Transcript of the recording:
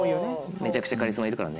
めちゃくちゃカリスマいるからね。